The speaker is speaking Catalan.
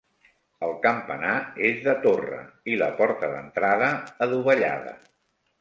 El campanar és de torre, i la porta d'entrada, adovellada.